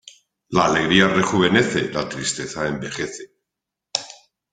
La alegría rejuvenece; la tristeza envejece.